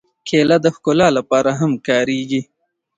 کېله د ښکلا لپاره هم کارېږي.